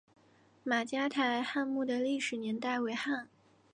马家台汉墓的历史年代为汉。